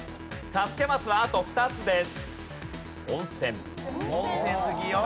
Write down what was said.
助けマスはあと２つです。